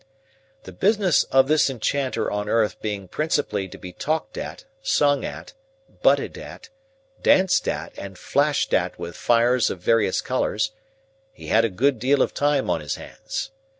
The business of this enchanter on earth being principally to be talked at, sung at, butted at, danced at, and flashed at with fires of various colours, he had a good deal of time on his hands.